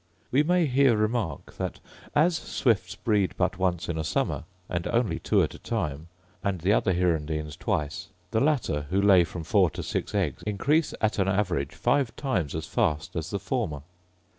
We may here remark, that, as swifts breed but once in a summer, and only two at a time, and the other hirundines twice, the latter, who lay from four to six eggs, increase at an average five times as fast as the former.